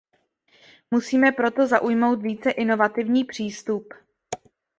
Musíme proto zaujmout více inovativní přístup.